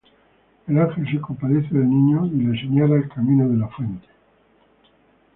El ángel se compadece del niño y les señala el camino de la fuente.